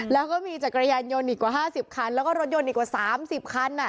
แล้วก็มีจักรยานยนต์อีกกว่าห้าสิบคันแล้วก็รถยนต์อีกกว่าสามสิบคันอ่ะ